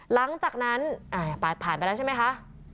หลังจากนั้นผ่านไปแล้วใช่ไหมคะ